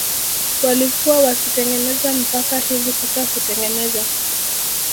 walikuwa wakitengeneza mpaka hivi sasa hutengeneza